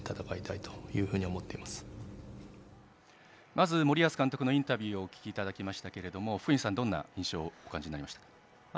まず、森保監督のインタビューをお聞きいただきましたが福西さん、どんな印象をお感じになりましたか？